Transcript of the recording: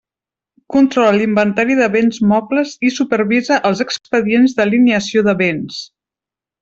Controla l'inventari de béns mobles i supervisa els expedients d'alienació de béns.